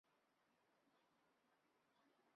末广町停留场本线的铁路车站。